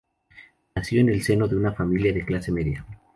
Nació en el seno de una familia de clase media.